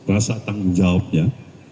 rasa tanggung jawabnya